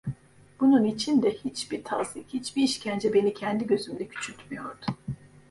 Bunun için de, hiçbir tazyik, hiçbir işkence beni kendi gözümde küçültmüyordu.